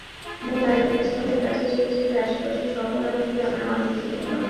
মূল আয়োজন স্থলের কাছে যেতে যেতে আশপাশের সকল আনন্দে আমরাও আনন্দিত হলাম।